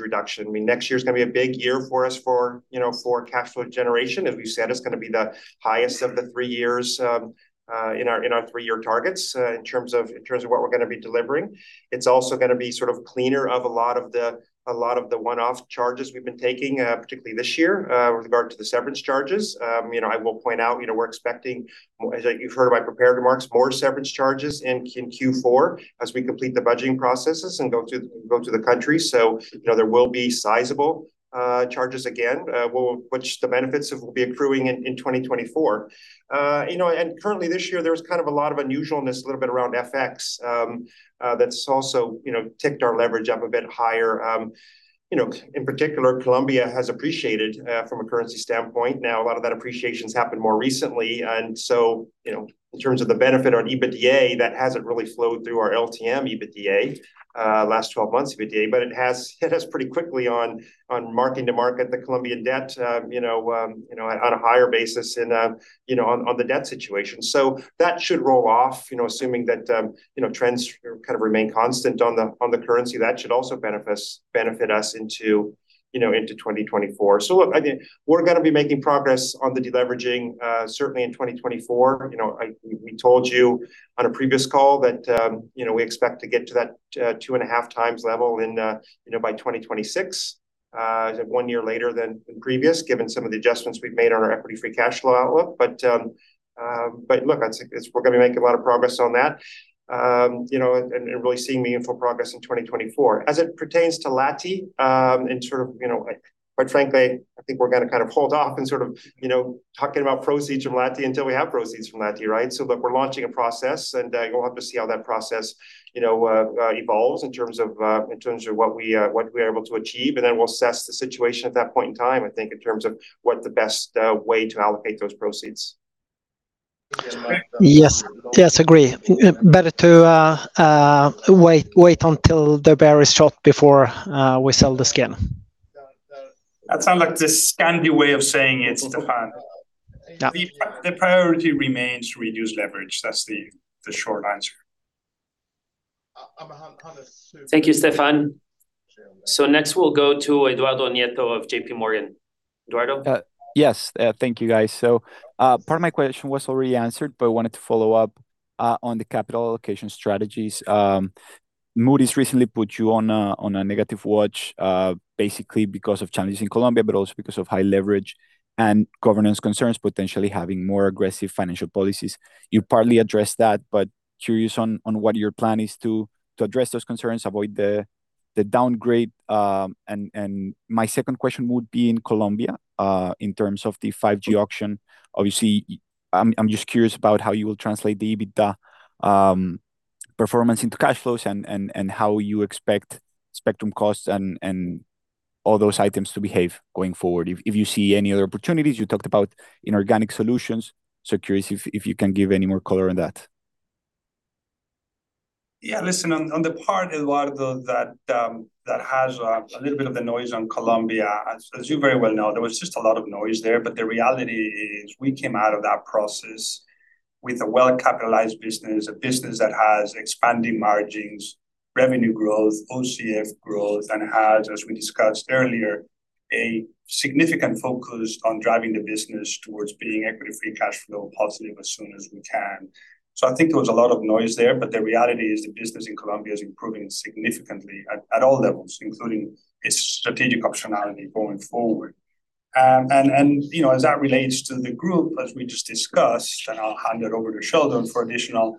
reduction. I mean, next year is gonna be a big year for us for, you know, for cash flow generation. As we've said, it's gonna be the highest of the three years in our three-year targets, in terms of what we're gonna be delivering. It's also gonna be sort of cleaner of a lot of the one-off charges we've been taking, particularly this year, with regard to the severance charges. You know, I will point out, you know, we're expecting, as you've heard in my prepared remarks, more severance charges in Q4 as we complete the budgeting processes and go to the countries. So, you know, there will be sizable charges again, which the benefits of will be accruing in 2024. You know, and currently this year, there was kind of a lot of unusualness, a little bit around FX, that's also, you know, ticked our leverage up a bit higher. You know, in particular, Colombia has appreciated from a currency standpoint. Now, a lot of that appreciation has happened more recently, and so, you know, in terms of the benefit on EBITDA, that hasn't really flowed through our LTM EBITDA, last twelve months EBITDA, but it has hit us pretty quickly on marking to market the Colombian debt, you know, on a higher basis and, you know, on the debt situation. So that should roll off, you know, assuming that, you know, trends kind of remain constant on the currency, that should also benefit us into, you know, into 2024. So look, I think we're gonna be making progress on the deleveraging, certainly in 2024. You know, we told you on a previous call that, you know, we expect to get to that 2.5x level in, you know, by 2026, one year later than the previous, given some of the adjustments we've made on our equity free cash flow outlook. But look, I think we're gonna be making a lot of progress on that, you know, and really seeing meaningful progress in 2024. As it pertains to LATI, in sort of, you know, quite frankly, I think we're gonna kind of hold off and sort of, you know, talking about proceeds from LATI until we have proceeds from LATI, right? So, but we're launching a process, and we'll have to see how that process, you know, evolves in terms of what we're able to achieve, and then we'll assess the situation at that point in time, I think, in terms of what the best way to allocate those proceeds. Yes, yes, agree. Better to wait until the bear is shot before we sell the skin. That sound like the Scandi way of saying it, Stefan. Yeah. The priority remains to reduce leverage. That's the short answer. Thank you, Stefan. So next, we'll go to Eduardo Nieto of JPMorgan. Eduardo? Yes. Thank you, guys. So, part of my question was already answered, but I wanted to follow up on the capital allocation strategies. Moody's recently put you on a negative watch, basically because of challenges in Colombia, but also because of high leverage and governance concerns, potentially having more aggressive financial policies. You partly addressed that, but curious on what your plan is to address those concerns, avoid the downgrade. And my second question would be in Colombia, in terms of the 5G auction. Obviously, I'm just curious about how you will translate the EBITDA performance into cash flows and how you expect spectrum costs and all those items to behave going forward. If you see any other opportunities, you talked about inorganic solutions, so curious if you can give any more color on that. Yeah, listen, on the part, Eduardo, that has a little bit of the noise on Colombia, as you very well know, there was just a lot of noise there. But the reality is, we came out of that process with a well-capitalized business, a business that has expanding margins, revenue growth, OCF growth, and has, as we discussed earlier, a significant focus on driving the business towards being equity free cash flow positive as soon as we can. So I think there was a lot of noise there, but the reality is the business in Colombia is improving significantly at all levels, including its strategic optionality going forward. And, you know, as that relates to the group, as we just discussed, and I'll hand it over to Sheldon for additional.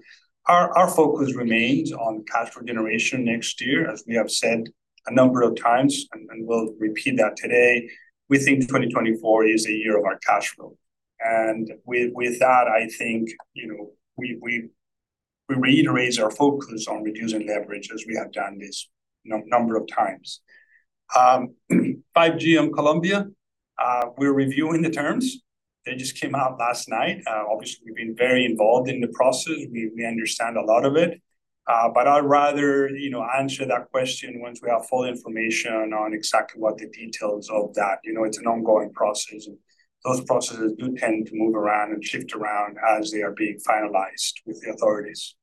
Our focus remains on cash flow generation next year, as we have said a number of times, and we'll repeat that today. We think 2024 is a year of our cash flow. And with that, I think, you know, we reiterate our focus on reducing leverage, as we have done this number of times. 5G on Colombia, we're reviewing the terms. They just came out last night. Obviously, we've been very involved in the process. We understand a lot of it, but I'd rather, you know, answer that question once we have full information on exactly what the details of that. You know, it's an ongoing process, and those processes do tend to move around and shift around as they are being finalized with the authorities.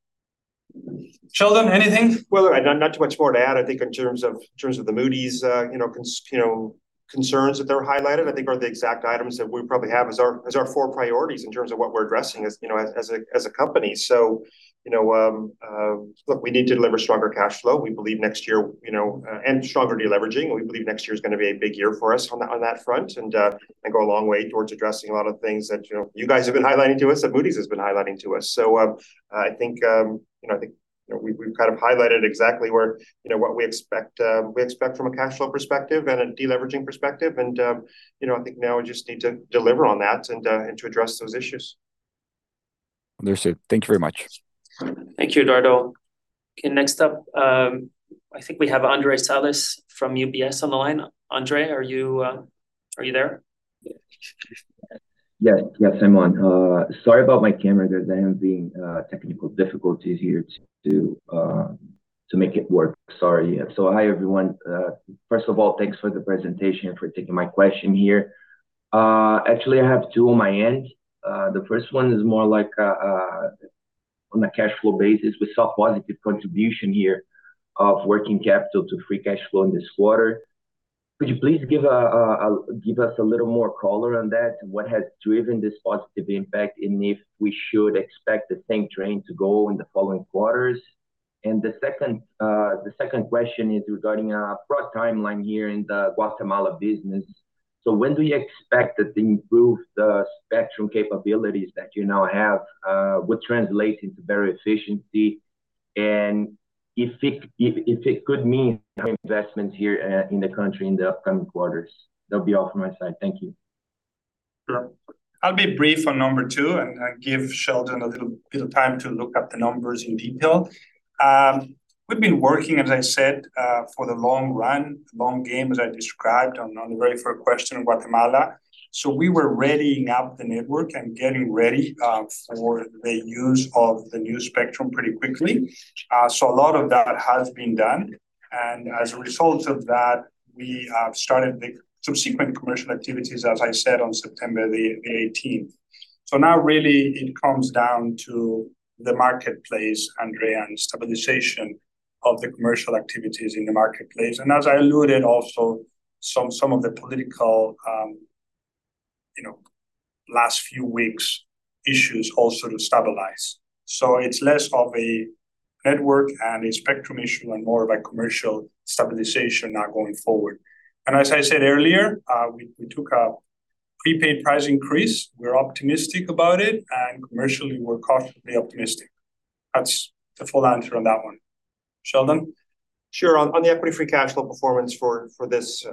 Sheldon, anything? Well, not too much more to add. I think in terms of, in terms of the Moody's, you know, concerns that they're highlighted, I think are the exact items that we probably have as our, as our four priorities in terms of what we're addressing as, you know, as a, as a company. So, you know, look, we need to deliver stronger cash flow. We believe next year, you know, and stronger deleveraging. We believe next year is gonna be a big year for us on that, on that front, and, and go a long way towards addressing a lot of things that, you know, you guys have been highlighting to us and Moody's has been highlighting to us. I think, you know, I think, you know, we've kind of highlighted exactly where, you know, what we expect, we expect from a cash flow perspective and a deleveraging perspective. You know, I think now we just need to deliver on that and to address those issues. Understood. Thank you very much. Thank you, Eduardo. Okay, next up, I think we have André Salles from UBS on the line. André, are you, are you there? Yes. Yes, I'm on. Sorry about my camera. I'm having technical difficulties here to make it work. Sorry. So hi, everyone, first of all, thanks for the presentation and for taking my question here. Actually, I have two on my end. The first one is more like on a cash flow basis. We saw positive contribution here of working capital to free cash flow in this quarter. Could you please give us a little more color on that? What has driven this positive impact, and if we should expect the same trend to go in the following quarters? The second question is regarding our product timeline here in the Guatemala business. So when do you expect that the improved spectrum capabilities that you now have would translate into better efficiency? And if it could mean investments here in the country in the upcoming quarters. That'll be all from my side. Thank you. Sure. I'll be brief on number 2 and, and give Sheldon a little bit of time to look up the numbers in detail. We've been working, as I said, for the long run, long game, as I described on the very first question, Guatemala. So we were readying up the network and getting ready, for the use of the new spectrum pretty quickly. So a lot of that has been done, and as a result of that, we have started the subsequent commercial activities, as I said, on September the 18th. So now, really, it comes down to the marketplace, André, and stabilization of the commercial activities in the marketplace. And as I alluded, also, some, some of the political, you know, last few weeks issues all sort of stabilize. It's less of a network and a spectrum issue and more of a commercial stabilization now going forward. As I said earlier, we took a prepaid price increase. We're optimistic about it, and commercially, we're cautiously optimistic. That's the full answer on that one. Sheldon? Sure. On the equity free cash flow performance for this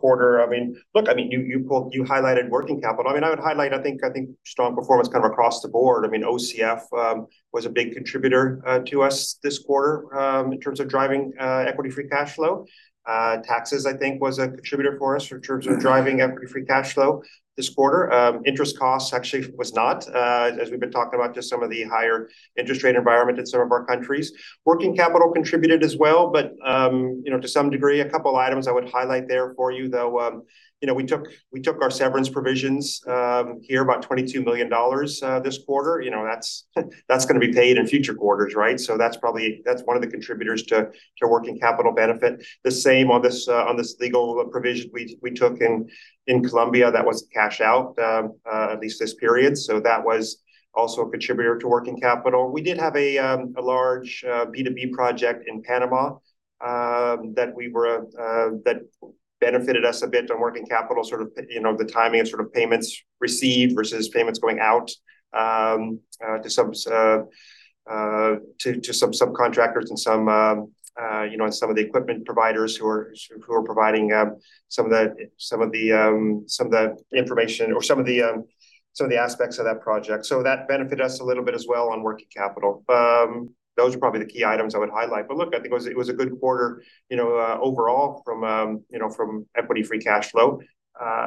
quarter, I mean, look, I mean, you highlighted working capital. I mean, I would highlight, I think, strong performance kind of across the board. I mean, OCF was a big contributor to us this quarter in terms of driving equity free cash flow. Taxes, I think, was a contributor for us in terms of driving equity free cash flow this quarter. Interest costs actually was not, as we've been talking about, just some of the higher interest rate environment in some of our countries. Working capital contributed as well, but you know, to some degree, a couple items I would highlight there for you, though. You know, we took, we took our severance provisions here, about $22 million this quarter. You know, that's, that's going to be paid in future quarters, right? So that's probably, that's one of the contributors to, to working capital benefit. The same on this, on this legal provision we, we took in, in Colombia that was cash out, at least this period, so that was also a contributor to working capital. We did have a large B2B project in Panama that benefited us a bit on working capital, sort of, you know, the timing of sort of payments received versus payments going out to some subcontractors and some, you know, and some of the equipment providers who are providing some of the information or some of the aspects of that project. So that benefited us a little bit as well on working capital. Those are probably the key items I would highlight, but look, I think it was a good quarter, you know, overall from equity free cash flow.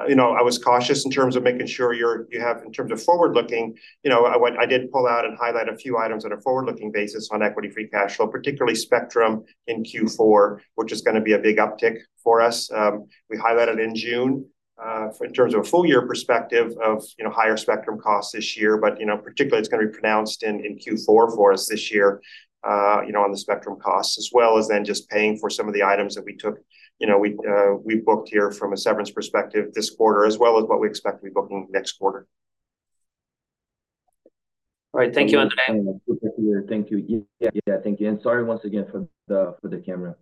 You know, I was cautious in terms of making sure you have, in terms of forward looking, you know, I did pull out and highlight a few items on a forward-looking basis on equity free cash flow, particularly spectrum in Q4, which is going to be a big uptick for us. We highlighted in June, in terms of a full year perspective of, you know, higher spectrum costs this year, but, you know, particularly it's going to be pronounced in Q4 for us this year, you know, on the spectrum costs, as well as then just paying for some of the items that we took. You know, we booked here from a severance perspective this quarter, as well as what we expect to be booking next quarter. All right. Thank you, André. Thank you. Yeah, yeah, thank you, and sorry once again for the camera.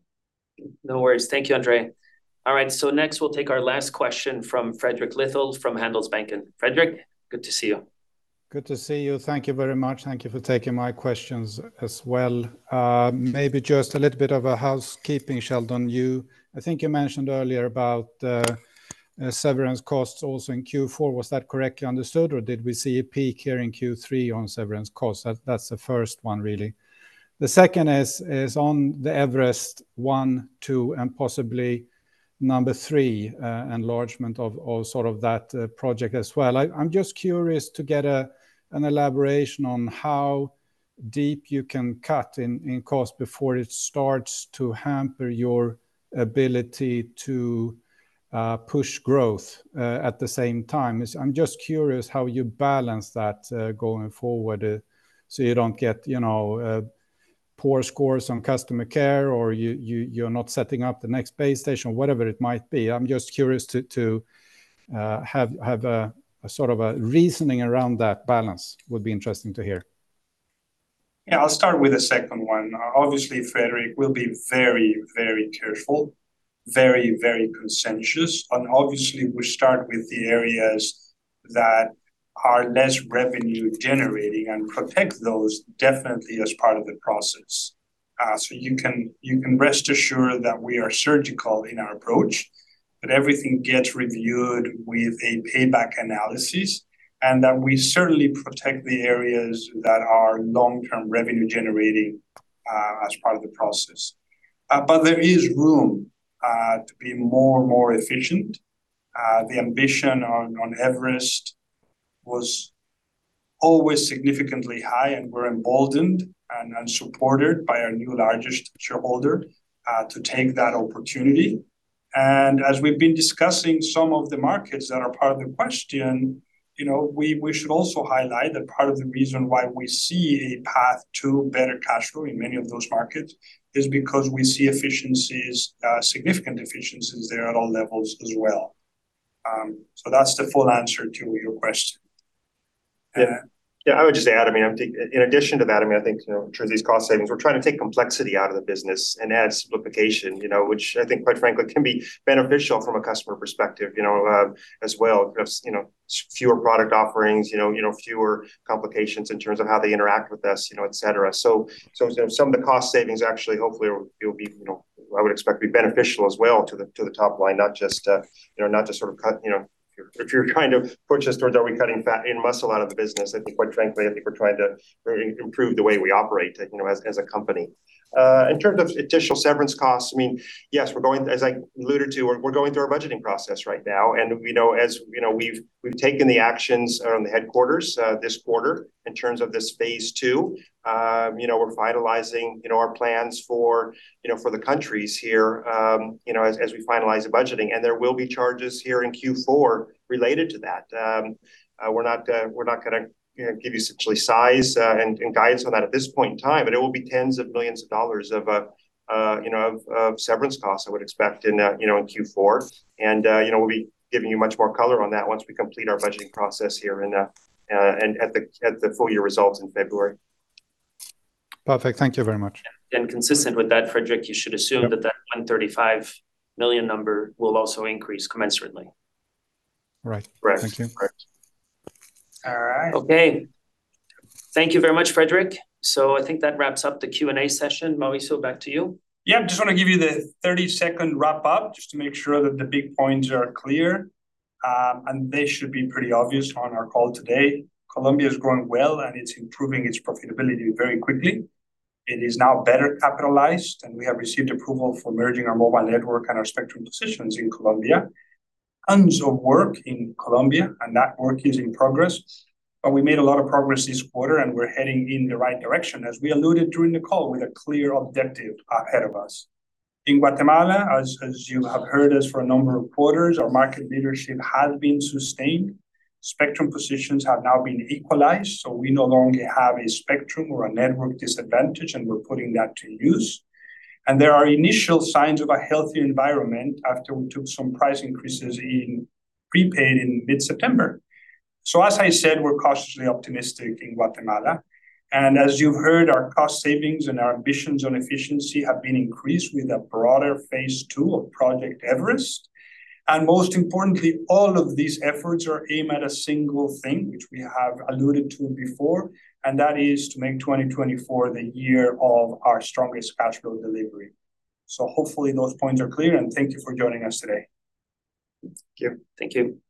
No worries. Thank you, André. All right, so next, we'll take our last question from Fredrik Lithell from Handelsbanken. Fredrik, good to see you. Good to see you. Thank you very much. Thank you for taking my questions as well. Maybe just a little bit of a housekeeping, Sheldon. You, I think you mentioned earlier about the, severance costs also in Q4. Was that correctly understood, or did we see a peak here in Q3 on severance costs? That, that's the first one, really. The second is on the Everest 1, 2, and possibly number 3, enlargement of sort of that project as well. I, I'm just curious to get an elaboration on how deep you can cut in cost before it starts to hamper your ability to, push growth, at the same time. I'm just curious how you balance that going forward, so you don't get, you know, poor scores on customer care or you're not setting up the next base station, whatever it might be. I'm just curious to have a sort of reasoning around that balance would be interesting to hear. Yeah, I'll start with the second one. Obviously, Fredrik, we'll be very, very careful, very, very conscientious, and obviously, we start with the areas that are less revenue-generating and protect those definitely as part of the process. So you can, you can rest assured that we are surgical in our approach, that everything gets reviewed with a payback analysis, and that we certainly protect the areas that are long-term revenue generating, as part of the process. But there is room to be more and more efficient. The ambition on Everest was always significantly high, and we're emboldened and supported by our new largest shareholder, to take that opportunity. As we've been discussing some of the markets that are part of the question, you know, we, we should also highlight that part of the reason why we see a path to better cash flow in many of those markets is because we see efficiencies, significant efficiencies there at all levels as well. So that's the full answer to your question. Yeah. Yeah, I would just add, I mean, I think in addition to that, I mean, I think, you know, in terms of these cost savings, we're trying to take complexity out of the business and add simplification, you know, which I think, quite frankly, can be beneficial from a customer perspective, you know, as well, as, you know, fewer product offerings, you know, you know, fewer complications in terms of how they interact with us, you know, etc. So, so some of the cost savings actually, hopefully, will be, you know, I would expect to be beneficial as well to the, to the top line, not just, you know, not just sort of cut, you know, if you're trying to push us towards, are we cutting fat and muscle out of the business? I think, quite frankly, I think we're trying to improve the way we operate, you know, as a company. In terms of additional severance costs, I mean, yes, we're going, as I alluded to, we're going through our budgeting process right now, and you know as you know, we've taken the actions on the headquarters this quarter in terms of this Phase 2. You know, we're vitalizing you know our plans for you know for the countries here, you know as we finalize the budgeting, and there will be charges here in Q4 related to that. We're not, we're not gonna, you know, give you essentially size, and, and guidance on that at this point in time, but it will be $10s of millions of, you know, of, of severance costs, I would expect in, you know, in Q4. And, you know, we'll be giving you much more color on that once we complete our budgeting process here in, and at the, at the full year results in February. Perfect. Thank you very much. Consistent with that, Fredrik, you should assume that that $135 million number will also increase commensurately. Right. Right. Thank you. Right. All right. Okay. Thank you very much, Fredrik. So I think that wraps up the Q&A session. Mauricio, back to you. Yeah, I just wanna give you the 30-second wrap-up, just to make sure that the big points are clear, and they should be pretty obvious on our call today. Colombia is growing well, and it's improving its profitability very quickly. It is now better capitalized, and we have received approval for merging our mobile network and our spectrum positions in Colombia. Tons of work in Colombia, and that work is in progress. But we made a lot of progress this quarter, and we're heading in the right direction, as we alluded during the call, with a clear objective ahead of us. In Guatemala, as you have heard us for a number of quarters, our market leadership has been sustained. Spectrum positions have now been equalized, so we no longer have a spectrum or a network disadvantage, and we're putting that to use. There are initial signs of a healthy environment after we took some price increases in prepaid in mid-September. So, as I said, we're cautiously optimistic in Guatemala, and as you've heard, our cost savings and our ambitions on efficiency have been increased with a Phase 2 of Project Everest. And most importantly, all of these efforts are aimed at a single thing, which we have alluded to before, and that is to make 2024 the year of our strongest cash flow delivery. So hopefully, those points are clear, and thank you for joining us today. Thank you. Thank you.